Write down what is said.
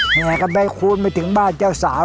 แห่คำนาจไม่คุ้นไปถึงบ้านเจ้าสาว